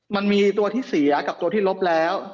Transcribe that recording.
มันมีตัวที่เสียกับตัวที่ลบแล้ว